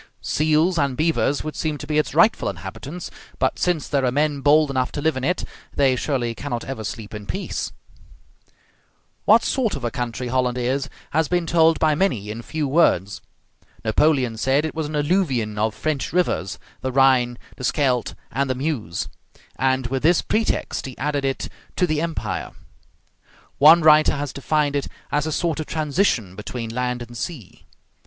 Seals and beavers would seem to be its rightful inhabitants; but since there are men bold enough to live in it, they surely cannot ever sleep in peace. [Illustration: A DUTCH GIRL. Photogravure from Painting by [*illegible name]] What sort of a country Holland is, has been told by many in few words. Napoleon said it was an alluvion of French rivers, the Rhine, the Scheldt, and the Meuse, and with this pretext he added it to the Empire. One writer has defined it as a sort of transition between land and sea.